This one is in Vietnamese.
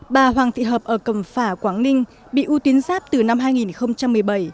bà hoàng thị hợp ở cầm phả quảng ninh bị u tuyến giáp từ năm hai nghìn một mươi bảy